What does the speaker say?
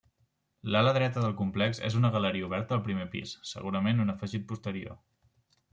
L'ala dreta del complex és una galeria oberta al primer pis, segurament un afegit posterior.